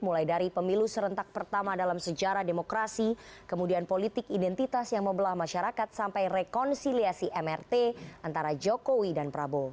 mulai dari pemilu serentak pertama dalam sejarah demokrasi kemudian politik identitas yang membelah masyarakat sampai rekonsiliasi mrt antara jokowi dan prabowo